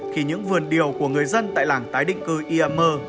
khi những vườn điều của người dân tại làng tái định cư iammer